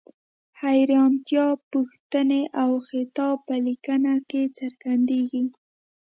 حیرانتیا، پوښتنې او خطاب په لیکنه کې څرګندیږي.